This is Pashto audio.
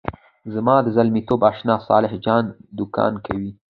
زما د زلمیتوب آشنا صالح جان دوکان کوي.